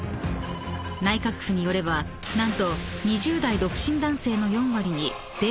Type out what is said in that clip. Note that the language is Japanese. ［内閣府によれば何と］